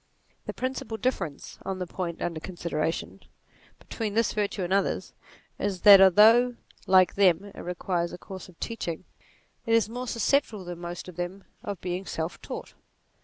The principal difference, on the point under consideration, between this virtue and others, is that although, like them, it requires a course of teach NATURE 51 ing, it is more susceptible than most of them of being self taught.